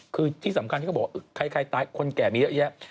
คือที่สำคัญที่เขาบอกว่าใครตายคนแก่มีเยอะแยะ